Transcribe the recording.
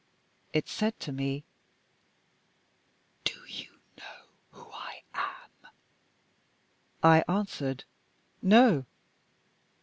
It said to me: "Do you know who I am?" I answered: "No."